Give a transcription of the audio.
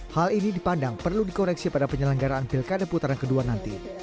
hal ini dipandang perlu dikoreksi pada penyelenggaraan pilkada putaran kedua nanti